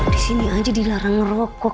di sini aja dilarang ngerokok